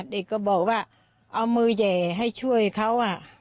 เด็กก็บอกว่าเอามือแห่ให้ช่วยเขา